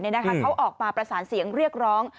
เขาออกมาประสานเสียงเรียกร้อง